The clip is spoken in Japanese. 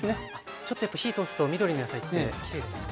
ちょっとやっぱ火通すと緑の野菜ってきれいですよね。